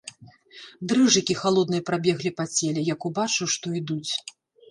Дрыжыкі халодныя прабеглі па целе, як убачыў, што ідуць.